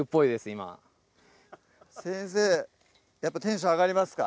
今先生やっぱテンション上がりますか？